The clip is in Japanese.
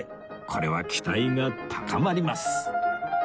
これは期待が高まります